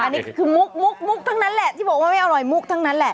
อันนี้คือมุกมุกทั้งนั้นแหละที่บอกว่าไม่อร่อยมุกทั้งนั้นแหละ